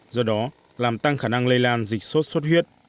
do đó làm tăng khả năng lây lan dịch sốt xuất huyết